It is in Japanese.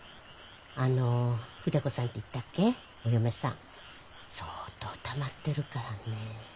あの筆子さんっていったっけお嫁さん相当たまってるからね。